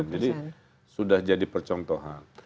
jadi sudah jadi percontohan